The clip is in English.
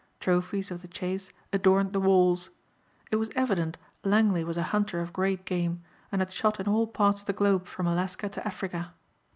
Trophies of the chase adorned the walls. It was evident Langley was a hunter of great game and had shot in all parts of the globe from Alaska to Africa.